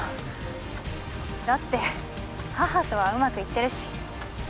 だって母とはうまくいってるし。